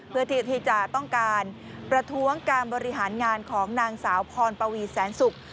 เพื่อที่จะต้องการประท้วงการบริหารงานของนางสาวพรปวีแสนศุกร์